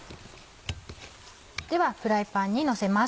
ではフライパンにのせます。